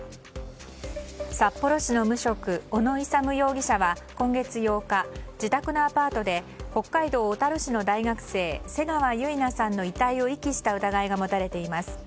札幌市の無職小野勇容疑者は今月８日、自宅のアパートで北海道小樽市の大学生瀬川結菜さんの遺体を遺棄した疑いが持たれています。